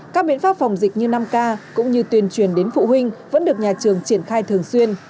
các biện pháp phòng dịch như năm k cũng như tuyên truyền đến phụ huynh vẫn được nhà trường triển khai thường xuyên